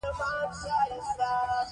هېواد د پرمختګ هڅه کوي.